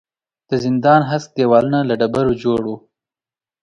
د زندان هسک دېوالونه له ډبرو جوړ وو.